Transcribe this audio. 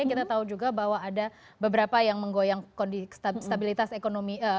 kita tahu juga bahwa ada beberapa yang menggoyang kondisi stabilitas ekonomi